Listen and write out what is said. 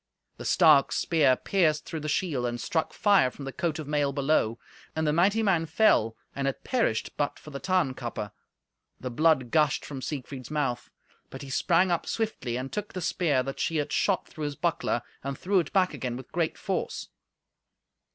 The stark spear pierced through the shield, and struck fire from the coat of mail below. And the mighty man fell, and had perished but for the Tarnkappe. The blood gushed from Siegfried's mouth. But he sprang up swiftly, and took the spear that she had shot through his buckler, and threw it back again with a great force.